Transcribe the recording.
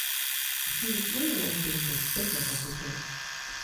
He was later ordained as Bishop of the church.